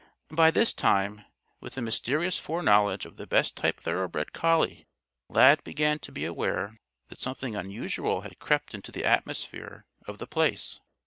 By this time, with the mysterious foreknowledge of the best type of thoroughbred collie, Lad began to be aware that something unusual had crept into the atmosphere of The Place.